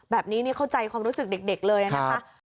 แบบนี้นี่เข้าใจความรู้สึกเด็กเลยนะคะ